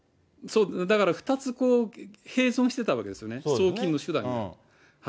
だから２つに併存してたわけですよね、送金の手段が。